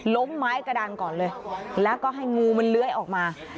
ไม้กระดานก่อนเลยแล้วก็ให้งูมันเลื้อยออกมา